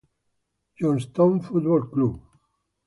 Johnstone Football Club.